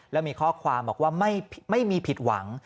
แล้วมีข้อความบอกว่าไม่มีผิดหวัง